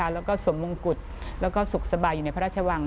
แล้วก็สวมมงกุฎแล้วก็สุขสบายอยู่ในพระราชวัง